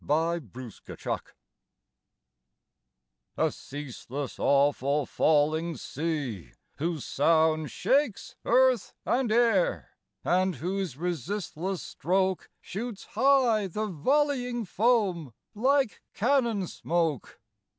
NIAGARA A ceaseless, awful, falling sea, whose sound Shakes earth and air, and whose resistless stroke Shoots high the volleying foam like cannon smoke!